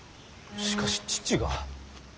しかし父が。